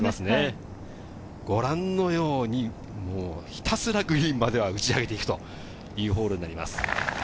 ご覧のようにひたすらグリーンまでは打ち上げていくというホールになります。